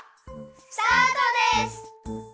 スタートです！